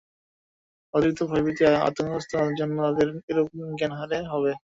অতিরিক্ত ভয়-ভীতি ও আতংকগ্রস্ততার জন্যই তারা এরূপ জ্ঞানহারা হবে।